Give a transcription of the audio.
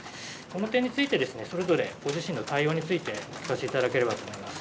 この点について、それぞれご自身の対応について、お聞かせいただければと思います。